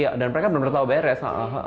iya dan mereka bener bener tau beres